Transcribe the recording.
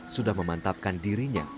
sudah memantapkan dirinya